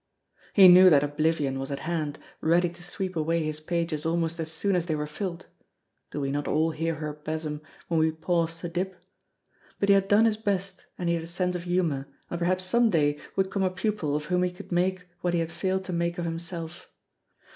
He knew that oblivion was at hand, ready to sweep away his pages almost as soon as they were filled (Do we not all hear her besom when we pause to dip?), but he had done his best and he had a sense of humor, and perhaps some day would come a pupil of whom he could make what he had failed to make of himself.